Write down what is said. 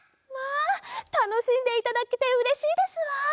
まあたのしんでいただけてうれしいですわ。